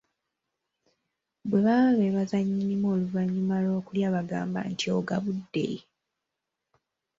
Bwe baba beebaza nnyinimu oluvannyuma lw’okulya bagamba nti ogabbudde.